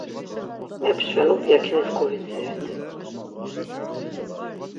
Mepşvenup yakinis kovidziret.